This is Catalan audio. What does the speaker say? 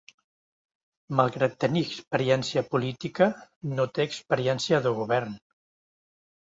Malgrat tenir experiència política, no té experiència de govern.